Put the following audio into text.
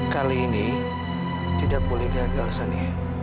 kali ini tidak boleh gagal sunny